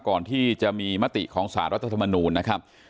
ก่อนที่จะมีมติของสารรัฐธรรมนูลนะครับ